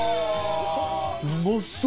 うまそう！